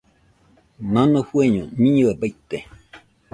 Nano fueño miñɨe baite.